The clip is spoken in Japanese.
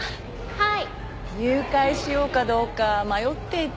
はい。